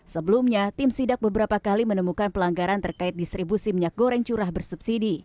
sebelumnya tim sidak beberapa kali menemukan pelanggaran terkait distribusi minyak goreng curah bersubsidi